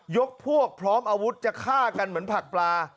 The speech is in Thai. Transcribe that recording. ยกพวกพร้อมอาวุธจะฆ่ากันเหมือนผักปลา